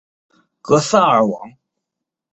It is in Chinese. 格萨尔王